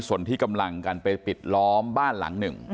ส่วนที่กำลังกันไปปิดล้อมบ้านหลังหนึ่ง